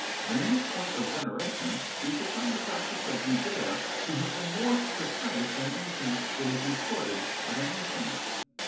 And in this point of veneration, we shall find the practice of Judæa to have been more precise than anything that is recorded of a nation.